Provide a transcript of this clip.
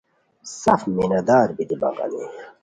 سف مینہ دار بیتی بغانی